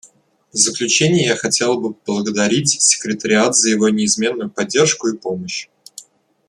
В заключение я хотела бы поблагодарить Секретариат за его неизменную поддержку и помощь.